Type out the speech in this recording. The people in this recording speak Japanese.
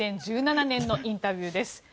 ２０１７年のインタビューです。